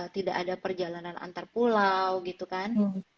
tidak ada perjalanan antar pulau gitu kan